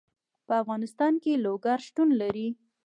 په افغانستان کې لوگر شتون لري.